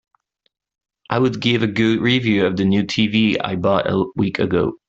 I would give a good review of the new TV I bought a week ago.